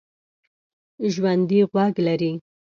ژوندي غوږ لري